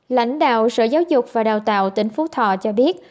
lãnh đạo sở giáo dục và đào tạo tỉnh phú thọ cho biết